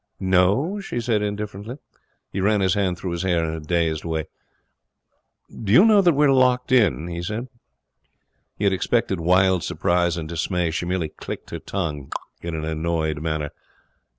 'No?' she said indifferently. He ran his hand through his hair in a dazed way. 'Do you know we are locked in?' he said. He had expected wild surprise and dismay. She merely clicked her tongue in an annoyed manner.